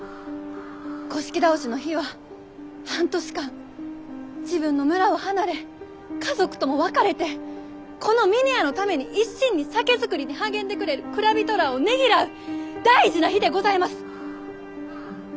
倒しの日は半年間自分の村を離れ家族とも別れてこの峰屋のために一心に酒造りに励んでくれる蔵人らあをねぎらう大事な日でございます！